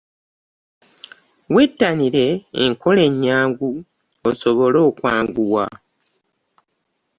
Wettanire enkola ennyangu osobole okwanguwa.